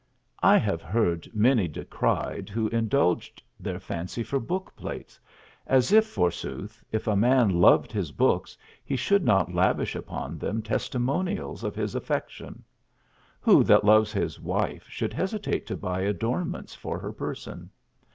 I have heard many decried who indulged their fancy for bookplates, as if, forsooth, if a man loved his books, he should not lavish upon them testimonials of his affection! Who that loves his wife should hesitate to buy adornments for her person?